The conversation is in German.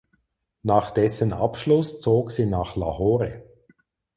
Nach dessen Abschluss zog sie nach Lahore.